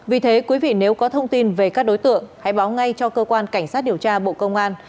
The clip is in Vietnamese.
vì thế quý vị nếu có thông tin về các đối tượng hãy báo ngay cho cơ quan cảnh sát điều tra bộ công an